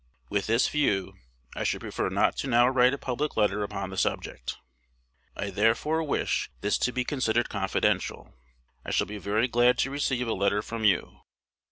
With this view, I should prefer to not now write a public letter upon the subject. I therefore wish this to be considered confidential. I shall be very glad to receive a letter from you.